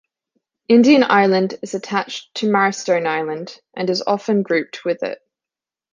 Indian Island is attached to Marrowstone Island, and is often grouped with it.